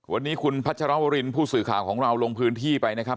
วันนี้คุณพัชรวรินผู้สื่อข่าวของเราลงพื้นที่ไปนะครับ